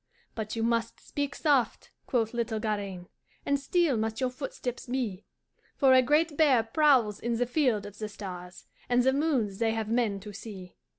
"'But you must speak soft,' quoth little Garaine, 'And still must your footsteps be, For a great bear prowls in the field of the stars, And the moons they have men to see.